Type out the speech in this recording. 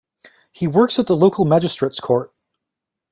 He works at the local magistrate’s court.